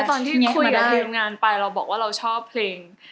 ตอนที่คุยกับทีมงานไปเราบอกว่าเราชอบเพลง